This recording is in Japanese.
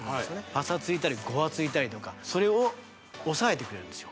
パサついたりごわついたりとかそれを抑えてくれるんですよ